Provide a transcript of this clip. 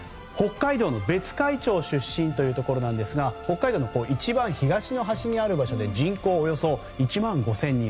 北海道の別海町出身ですが北海道の一番東の端にあるところで人口およそ１万５０００人。